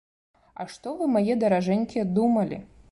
А што вы, мае даражэнькія, думалі!